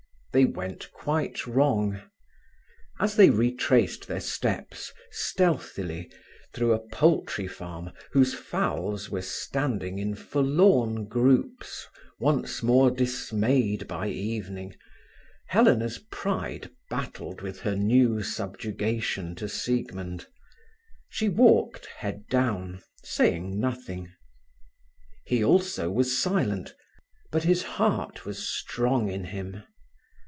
They went quite wrong. As they retraced their steps, stealthily, through a poultry farm whose fowls were standing in forlorn groups, once more dismayed by evening, Helena's pride battled with her new subjugation to Siegmund. She walked head down, saying nothing. He also was silent, but his heart was strong in him.